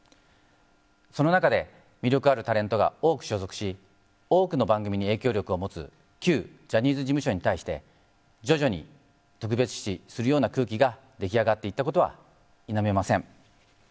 その中で、魅力あるタレントが多く所属し多くの番組に影響力を持つ旧ジャニーズ事務所に対して徐々に特別視するような空気が出来上がっていったことは否めません。